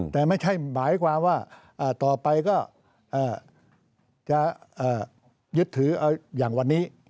แต่ไม่ใช่หมายความว่าต่อไปก็จะยึดถือเอาอย่างวันนี้